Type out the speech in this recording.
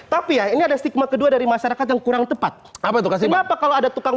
tapi ya ini ada stigma kedua dari masyarakat yang kurang tepat apa tugas kenapa kalau ada tukang